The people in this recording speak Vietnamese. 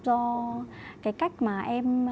do cái cách mà em